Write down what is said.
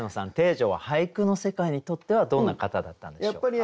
汀女は俳句の世界にとってはどんな方だったんでしょうか？